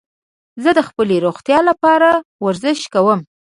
زه د خپلې روغتیا لپاره ورزش کوم.